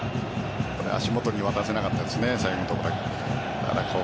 足元には出せなかったですね、サイド。